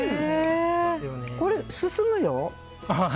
これ、進むよ。